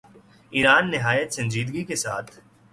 ایران نہایت سنجیدگی کے ساتھ